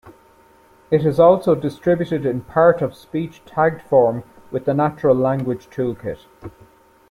It is also distributed in part-of-speech tagged form with the Natural Language Toolkit.